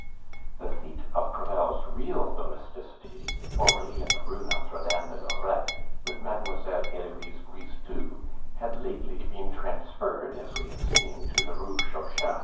The seat of Crevel's real domesticity, formerly in the Rue Notre Dame de Lorette, with Mademoiselle Heloise Brisetout, had lately been transferred, as we have seen, to the Rue Chauchat.